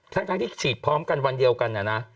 ทั้งที่ฉีดพร้อมกันวันเดียวกันนะนะ